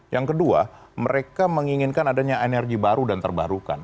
yang kedua mereka menginginkan adanya energi baru dan terbarukan